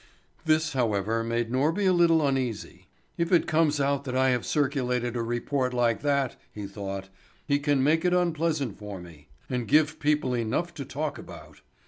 This, however, made Norby a little uneasy. "If it comes out that I have circulated a report like that," he thought, "he can make it unpleasant for me, and give people enough to talk about."